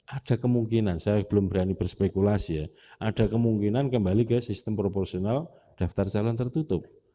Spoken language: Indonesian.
ada kemungkinan saya belum berani berspekulasi ya ada kemungkinan kembali ke sistem proporsional daftar calon tertutup